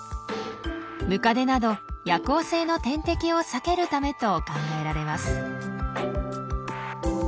ムカデなど夜行性の天敵を避けるためと考えられます。